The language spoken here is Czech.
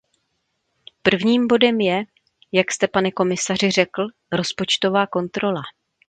Prvním bodem je, jak jste, pane komisaři, řekl, rozpočtová kontrola.